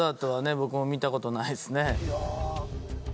僕も見たことないですねいやー